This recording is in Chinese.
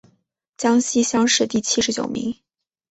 江西乡试第七十九名。